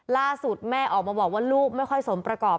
ล่าสุดแม่ออกมาบอกว่าลูกไม่ค่อยสมประกอบ